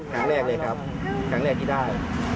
ครั้งแรกเลยครับครั้งแรกที่ได้